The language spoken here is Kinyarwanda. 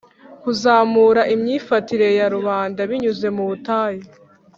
Kuzamura imyifatire ya rubanda binyuze mu butayu